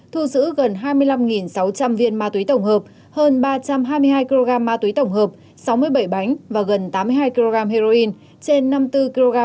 thu giữ gần hai mươi năm sáu trăm linh viên ma túy tổng hợp hơn ba trăm hai mươi hai kg ma túy tổng hợp sáu mươi bảy bánh và gần tám mươi hai kg